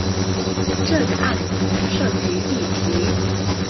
這個案子涉及議題